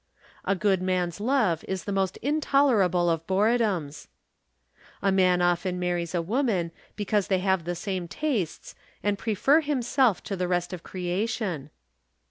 A good man's love is the most intolerable of boredoms. A man often marries a woman because they have the same tastes and prefer himself to the rest of creation.